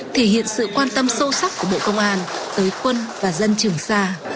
thể hiện sự quan tâm sâu sắc của bộ công an tới quân và dân trường sa